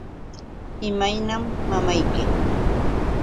¿Imaynam mamayki?